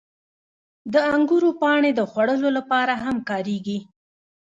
• د انګورو پاڼې د خوړو لپاره هم کارېږي.